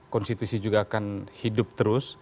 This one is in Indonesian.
konstitusi juga akan hidup terus